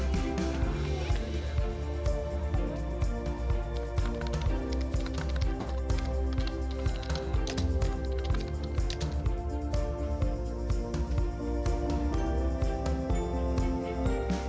penahanan luas itu podcasts